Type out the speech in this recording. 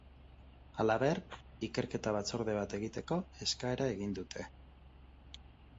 Halaber, ikerketa batzorde bat egiteko eskaera egin dute.